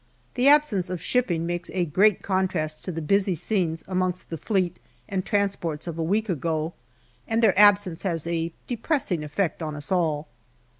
The absence of shipping makes a great contrast to the busy scenes amongst the Fleet and transports of a week ago, and their absence has a depressing effect on us all.